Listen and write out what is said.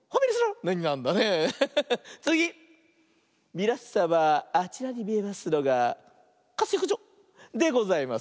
みなさまあちらにみえますのが「かすよくじょ」でございます。